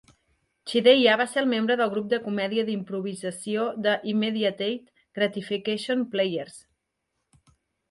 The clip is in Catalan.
Chideya va ser membre del grup de comèdia d'improvisació The Immediate Gratification Players.